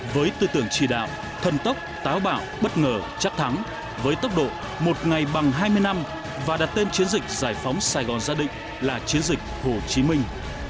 với tư tưởng chỉ đạo thần tốc táo bạo bất ngờ chắc thắng với tốc độ một ngày bằng hai mươi năm và đặt tên chiến dịch giải phóng sài gòn gia đình là chiến dịch hồ chí minh